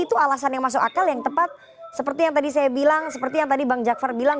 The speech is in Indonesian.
itu alasan yang masuk akal yang tepat seperti yang tadi saya bilang seperti yang tadi bang jakfar bilang